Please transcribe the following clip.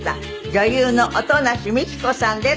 女優の音無美紀子さんです。